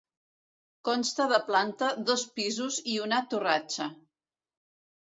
Consta de planta, dos pisos i una torratxa.